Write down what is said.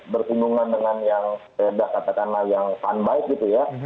berkunjungan dengan yang sepeda katakanlah yang fun bike gitu ya